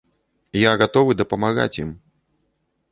Я гатовы дапамагаць ім.